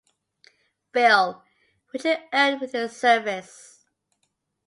Bill, which he earned with his service.